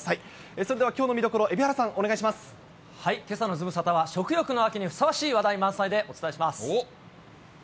それではきょうの見どころ、けさのズムサタは、食欲の秋にふさわしい話題満載でお伝えします。